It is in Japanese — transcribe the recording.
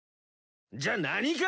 じゃあ何か？